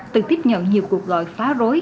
từ tiếp nhận nhiều cuộc gọi phá rối